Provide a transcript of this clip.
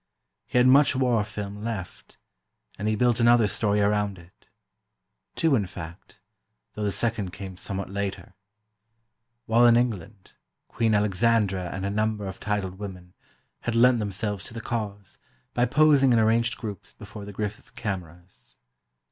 He had much war film left, and he built another story around it. Two, in fact, though the second came somewhat later. While in England, Queen Alexandra and a number of titled women had lent themselves to the cause, by posing in arranged groups before the Griffith cameras.